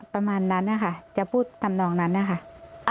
ประมาณนั้นค่ะจะพูดตำรองนั้นค่ะ